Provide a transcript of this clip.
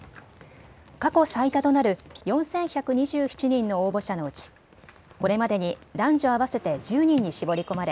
過去最多となる４１２７人の応募者のうちこれまでに男女合わせて１０人に絞り込まれ